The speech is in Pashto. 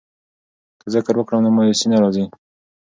که ذکر وکړو نو مایوسي نه راځي.